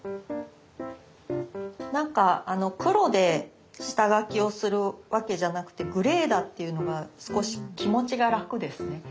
なんか黒で下書きをするわけじゃなくてグレーだっていうのが少し気持ちが楽ですね。